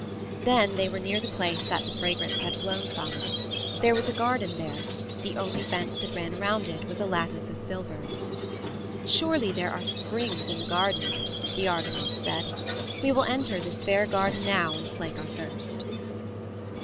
Then they were near the place that the fragrance had blown from: there was a garden there; the only fence that ran around it was a lattice of silver. "Surely there are springs in the garden," the Argonauts said. "We will enter this fair garden now and slake our thirst."